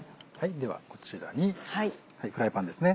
ではこちらにフライパンですね